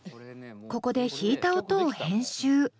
ここで弾いた音を編集。